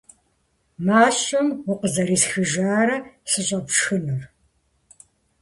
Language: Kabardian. - Мащэм укъызэрисхыжара сыщӏэпшхынур?